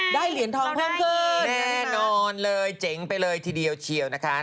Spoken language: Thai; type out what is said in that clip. เหรียญทองเพิ่มขึ้นแน่นอนเลยเจ๋งไปเลยทีเดียวเชียวนะคะ